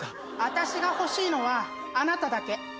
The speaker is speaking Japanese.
あたしが欲しいのはあなただけ。